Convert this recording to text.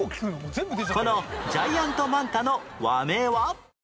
このジャイアントマンタの和名は？